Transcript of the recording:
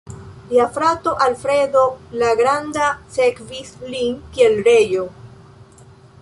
Lia frato Alfredo la Granda sekvis lin kiel reĝo.